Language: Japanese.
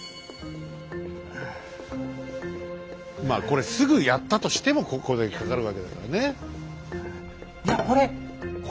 まあこれすぐやったとしてもこれだけかかるわけだからね。